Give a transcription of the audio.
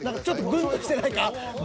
［グンとしてないか？］